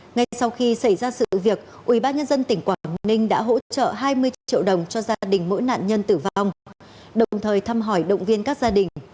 ngay sau khi xảy ra sự việc ubnd tỉnh quảng ninh đã hỗ trợ hai mươi triệu đồng cho gia đình mỗi nạn nhân tử vong đồng thời thăm hỏi động viên các gia đình